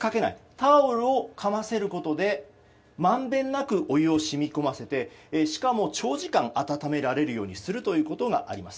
タオルをかませることでまんべんなくお湯を染み込ませて、しかも長時間温められるようにするということがあります。